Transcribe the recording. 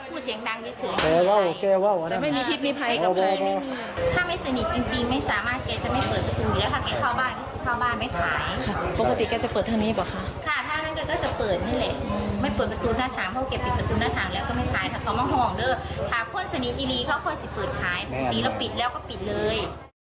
พ่อสนิทอีรีเขาเข้าสิทธิ์ปืนขายปกติแล้วปิดแล้วก็ปิดเลย